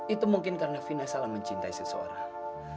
itu mungkin karena fina salah mencintai seseorang